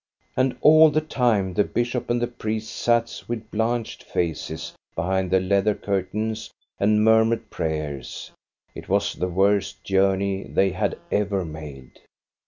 And all the time the bishop and the priests sat with blanched faces behind the leather curtains and murmured prayers. It was the worst journey they had ever made.